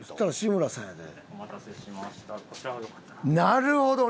なるほど！